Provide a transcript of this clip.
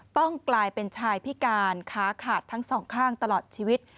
ต้องกลายเป็นชายพิการขาขาดทั้งสองข้างตลอดชีวิต